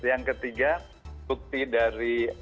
yang ketiga bukti dari